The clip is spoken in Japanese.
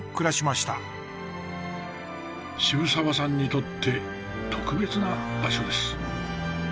渋沢さんにとって特別な場所です。